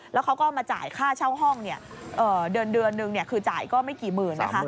แล้วเขาก็มาจ่ายค่าเช่าห้องเดือนนึงคือจ่ายก็ไม่กี่หมื่นนะคะ